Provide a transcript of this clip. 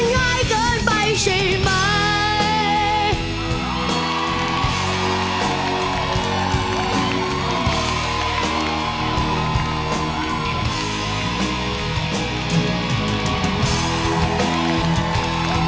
ง่ายเกินไปใช่ไหม